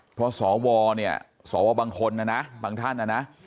เพราะสวเนี่ยสวบางคนนะนะบางท่านนะนะ